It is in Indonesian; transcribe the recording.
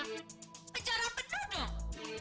penjara benar dong